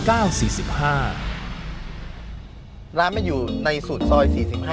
ร้านมันอยู่ในสูตรซอย๔๕